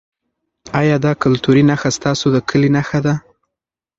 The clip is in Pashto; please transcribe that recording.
ایا دا کلتوري نښه ستاسو د کلي نښه ده؟